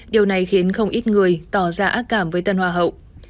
điều này khiến không ít người tỏ ra ác cảm với tân hoa hậu